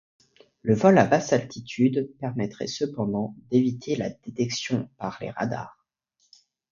Le vol à basse altitude permettait cependant d'éviter la détection par les radars.